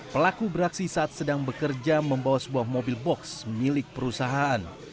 pelaku beraksi saat sedang bekerja membawa sebuah mobil box milik perusahaan